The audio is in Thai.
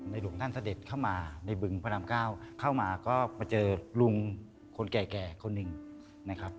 หลวงท่านเสด็จเข้ามาในบึงพระรามเก้าเข้ามาก็มาเจอลุงคนแก่คนหนึ่งนะครับ